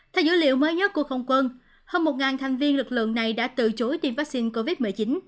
theo dữ liệu mới nhất của không quân hơn một thành viên lực lượng này đã từ chối tiêm vaccine covid một mươi chín